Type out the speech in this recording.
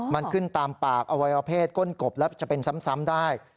มันขึ้นตามปากอวัยวเพศก้นกบแล้วจะเป็นซ้ำได้